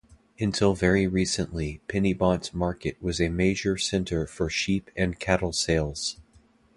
Until very recently Penybont market was a major centre for sheep and cattle sales.